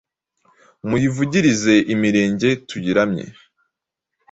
Muyivugirize imirenge tuyiramye,